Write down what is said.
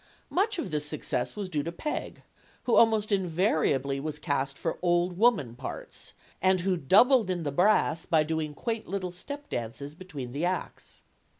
Much of this success was due to Peg, who almost invariably was cast for old woman parts, and who "doubled in the brass" by doing quaint little step dances between the acts.